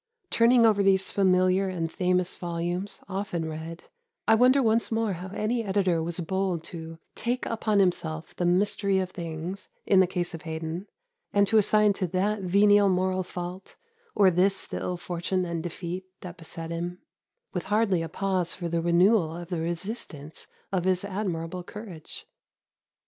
Turning over these familiar and famous volumes, often read, I wonder once more how any editor was bold to "take upon himself the mystery of things" in the case of Haydon, and to assign to that venial moral fault or this the ill fortune and defeat that beset him, with hardly a pause for the renewal of the resistance of his admirable courage.